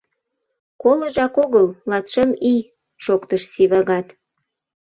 — Колыжак огыл, латшым ий! — шоктыш Сивагат.